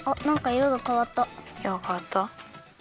いろがかわった？